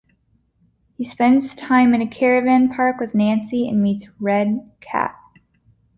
He spends time in a caravan park with Nancy and meets Red Cat.